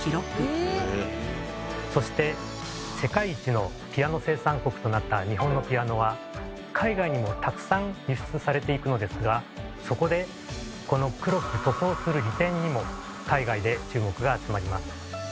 そして世界一のピアノ生産国となった日本のピアノは海外にもたくさん輸出されていくのですがそこでこの「黒く塗装する利点」にも海外で注目が集まります。